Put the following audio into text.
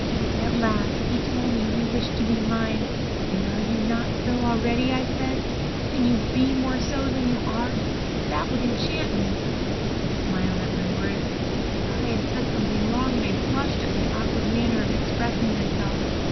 "At last he told me that he wished to be mine. 'And are you not so already?' said I. 'Can you be more so than you are? That would enchant me.' He smiled at my words. I thought I had said something wrong, and I blushed at my awkward manner of expressing myself.